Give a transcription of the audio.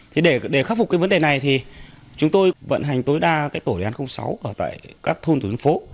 thế để khắc phục cái vấn đề này thì chúng tôi vận hành tối đa cái tổ đoàn sáu ở tại các thôn tổ đoàn phố